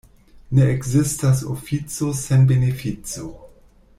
Ne ekzistas ofico sen benefico.